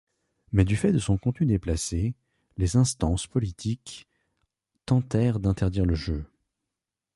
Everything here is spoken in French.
Mais du fait de son contenu déplacé, les instances politiques tentèrent d'interdire le jeu.